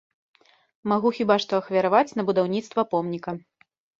Магу хіба што ахвяраваць на будаўніцтва помніка.